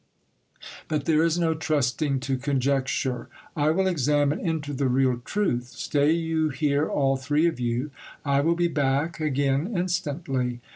But there is no trusting to conjecture : I will examine into the real truth. Stay you here all three of you ; I will be back again instantly.